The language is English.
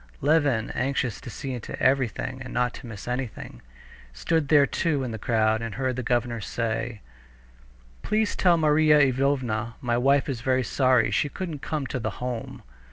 Levin, anxious to see into everything and not to miss anything, stood there too in the crowd, and heard the governor say: "Please tell Marya Ivanovna my wife is very sorry she couldn't come to the Home."